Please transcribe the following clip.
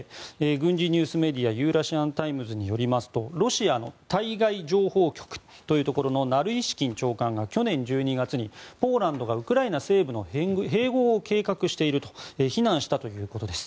軍事ニュースメディアユーラシアン・タイムズによりますとロシアの対外情報局というところのナルイシキン長官が去年１２月、ポーランドがウクライナ西部の併合を計画していると非難したということです。